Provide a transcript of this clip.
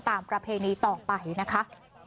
ประเพณีต่อไปนะคะ